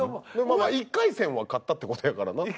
まあまあ１回戦は勝ったって事やからな。